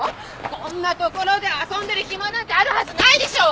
こんな所で遊んでる暇なんてあるはずないでしょ！